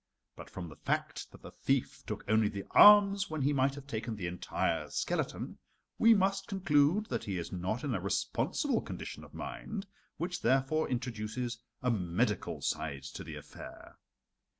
But from the fact that the thief took only the arms when he might have taken the entire skeleton, we must conclude that he is not in a responsible condition of mind, which therefore introduces a medical side to the affair.